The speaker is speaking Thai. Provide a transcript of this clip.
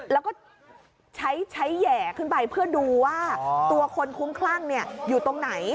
แล้วก็ใช้แห่ขึ้นไปเพื่อดูว่าตัวคนคุ้มคลั่งอยู่ตรงไหน